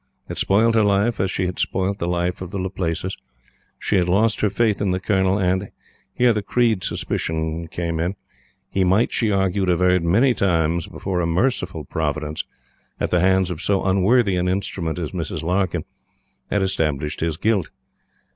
It spoilt her life, as she had spoilt the life of the Laplaces. She had lost her faith in the Colonel, and here the creed suspicion came in he might, she argued, have erred many times, before a merciful Providence, at the hands of so unworthy an instrument as Mrs. Larkyn, had established his guilt.